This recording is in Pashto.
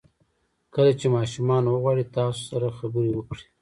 کله چې ماشومان وغواړي تاسو سره خبرې وکړي.